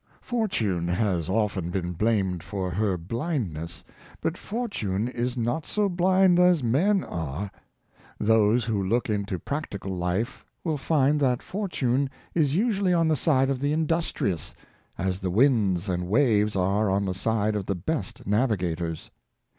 Fortune has often been blamed for her blindness; but fortune is not so blind as men are. Those who look into practical life will find that fortune is usually on the side of the industrious, as the winds and waves are on the side of the best navigators.